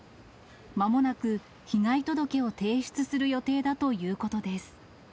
まもなく被害届を提出する予定だということです。